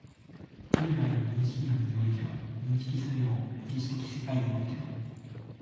従来の認識論においては、認識作用を歴史的世界においての